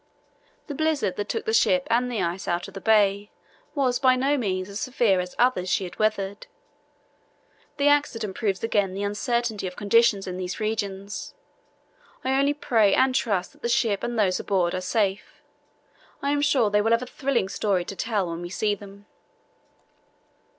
The blizzard that took the ship and the ice out of the bay was by no means as severe as others she had weathered. The accident proves again the uncertainty of conditions in these regions. I only pray and trust that the ship and those aboard are safe. I am sure they will have a thrilling story to tell when we see them."